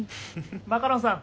マカロンさん